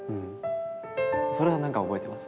それはなんか覚えてます。